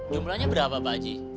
jumlahnya berapa pak haji